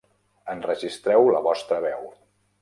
Enregistreu la vostra veu.